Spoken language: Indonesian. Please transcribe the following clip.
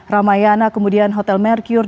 ramayana kemudian hotel merkur